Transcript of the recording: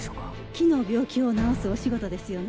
木の病気を治すお仕事ですよね。